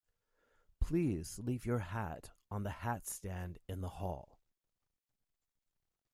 Please leave your hat on the hatstand in the hall